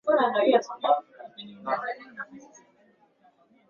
Mimi ni mzembe